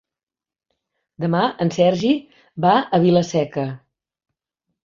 Demà en Sergi va a Vila-seca.